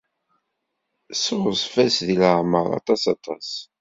Sseɣzef-as di leɛmer, aṭas, aṭas.